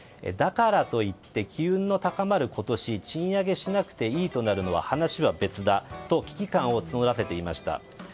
だからといって機運の高まる今年賃上げしなくていいとなるのは話は別だと危機感を募らせていました。